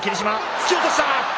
突き落とした。